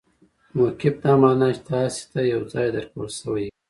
موقف دا مانا، چي تاسي ته یو ځای درکول سوی يي.